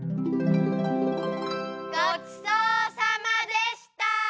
ごちそうさまでした！